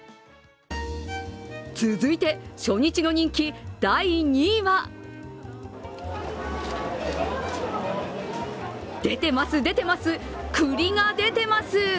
続いて、初日の人気第２位は出てます、出てます、栗が出てます！